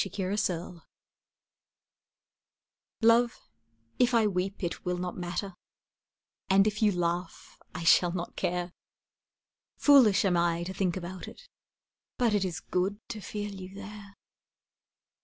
The Dream Love, if I weep it will not matter, And if you laugh I shall not care; Foolish am I to think about it, But it is good to feel you there.